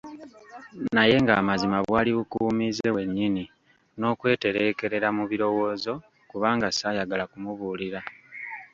Naye ng'amazima bwali bukuumiize bwennyini n'okwetereekerera mu birowoozo kubanga ssaayagala kumubuulira.